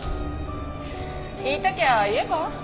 言いたきゃ言えば？